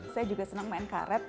saya juga senang main karet